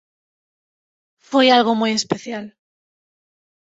Foi algo moi especial.